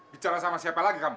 bicara sama siapa lagi kamu